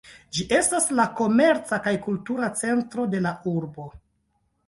Ĝi estas la komerca kaj kultura centro de la urbo.